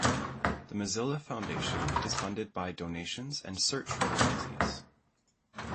The Mozilla Foundation is funded by donations and "search royalties".